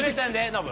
ノブ。